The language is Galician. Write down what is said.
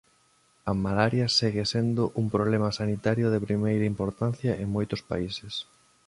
A malaria segue sendo un problema sanitario de primeira importancia en moitos países.